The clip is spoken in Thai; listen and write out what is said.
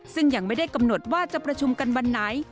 ซึ่งยังไม่ได้กำหนดว่าจะประชุมกันวันไหน